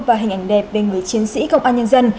và hình ảnh đẹp về người chiến sĩ công an nhân dân